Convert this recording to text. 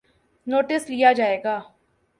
Notice لیا جائے گا۔